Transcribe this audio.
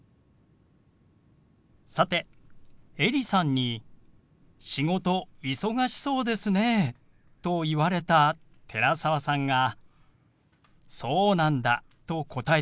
さてエリさんに「仕事忙しそうですね」と言われた寺澤さんが「そうなんだ」と答えていましたね。